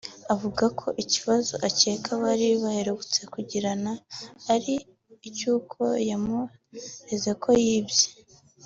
Akavuga ko ikibazo akeka bari baherutse kugirana ari icy’uko yamureze ko yibye